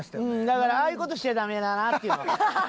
だからああいう事しちゃダメだなっていうのがわかった。